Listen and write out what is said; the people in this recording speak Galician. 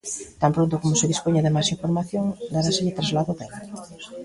Tan pronto como se dispoña de máis información, daráselle traslado dela.